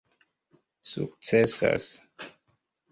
sukcesas